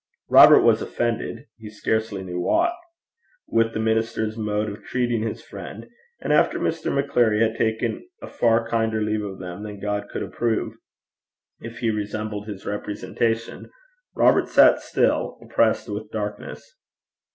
Robert was offended, he scarcely knew why, with the minister's mode of treating his friend; and after Mr. Maccleary had taken a far kinder leave of them than God could approve, if he resembled his representation, Robert sat still, oppressed with darkness.